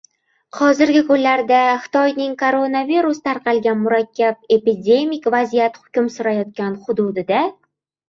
Hozirgi kunlarda Xitoyning koronavirus tarqalgan murakkab epidemik vaziyat hukm surayotgan hududida...